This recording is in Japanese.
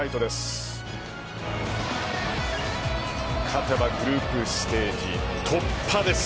勝てばグループステージ突破です。